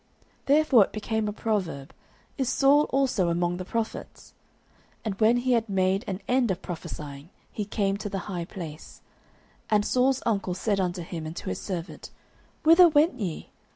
Therefore it became a proverb, Is Saul also among the prophets? 09:010:013 And when he had made an end of prophesying, he came to the high place. 09:010:014 And Saul's uncle said unto him and to his servant, Whither went ye?